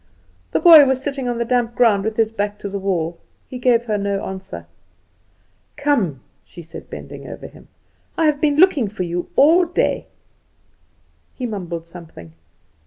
The boy was sitting on the damp ground with his back to the wall. He gave her no answer. "Come," she said, bending over him, "I have been looking for you all day." He mumbled something.